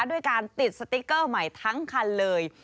ด้วยการติดสติ๊กเกอร์ใหม่ทั้งคันเลย